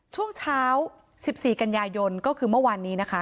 ช่วงเช้า๑๔กันยายนก็คือเมื่อวานนี้นะคะ